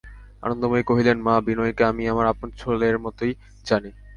আনন্দময়ী কহিলেন, মা, বিনয়কে আমি আমার আপন ছেলের মতোই জানি।